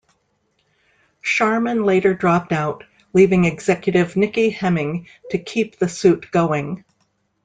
Sharman later dropped out, leaving executive Nikki Hemming to keep the suit going.